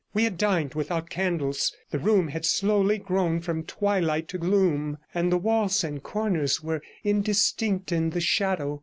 We had dined without candles; the room had slowly grown from twilight to gloom, and the walls and corners were indistinct in the shadow.